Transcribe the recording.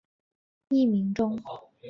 艺名中。